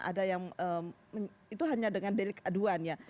ada yang itu hanya dengan delik aduan ya